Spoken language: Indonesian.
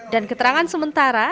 dan keterangan sementara